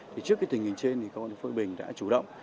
trước tình hình trên công an thế bình đã chủ động